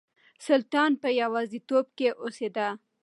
سلطان په يوازيتوب کې اوسېده.